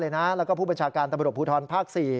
แล้วก็ผู้ประชากรการภูทรภาค๔